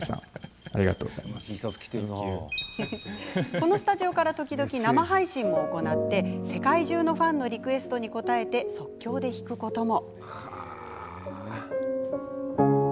このスタジオから時々、生配信も行い世界中のファンのリクエストに応えて即興で弾くことも。